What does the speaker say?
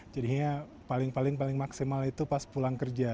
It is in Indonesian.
jadinya paling paling maksimal itu pas pulang kerja